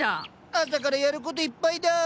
朝からやる事いっぱいだあ。